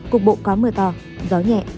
cục bộ có mưa to gió nhẹ